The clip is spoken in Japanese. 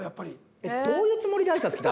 えどういうつもりで挨拶来た？